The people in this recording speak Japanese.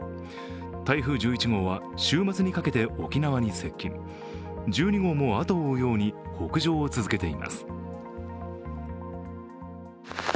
台風１１号は週末にかけて沖縄に接近、１２号も後を追うように北上を続けています。